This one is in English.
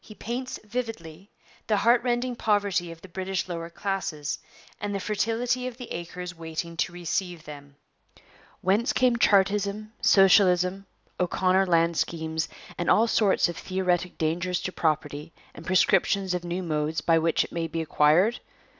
He paints vividly the heart rending poverty of the British lower classes, and the fertility of the acres waiting to receive them. 'Whence come Chartism, Socialism, O'Connor land schemes, and all sorts of theoretic dangers to property, and prescriptions of new modes by which it may be acquired?